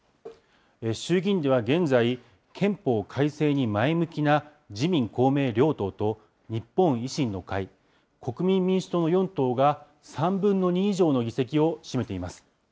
衆議院では現在、憲法改正に前向きな自民、公明両党と、日本維新の会、国民民主党の４党が３分の２以上の議席を占めています。